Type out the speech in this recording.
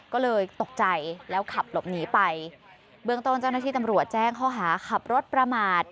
ก็เลยตกใจแล้วขับหลบหนีไปเบื้องต้นเจ้าหน้าที่ตำรวจแจ้งข้อหาขับรถประมาท